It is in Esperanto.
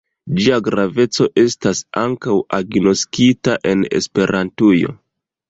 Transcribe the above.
Ĝia graveco estas ankaŭ agnoskita en Esperantujo.